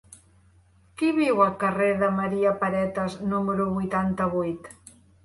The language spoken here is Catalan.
Qui viu al carrer de Maria Paretas número vuitanta-vuit?